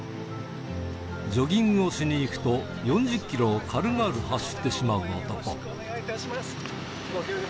ジョギングをしに行くと、４０キロを軽々走ってしまう男。